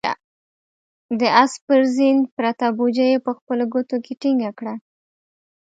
د آس پر زين پرته بوجۍ يې په خپلو ګوتو کې ټينګه کړه.